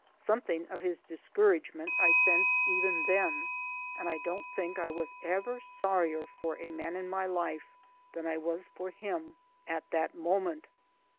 Something of his discouragement I sensed even then, and I don't think I was ever sorrier for a man in my life than I was for him at that moment.